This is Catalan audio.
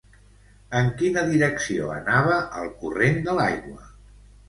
En quina direcció anava el corrent de l'aigua?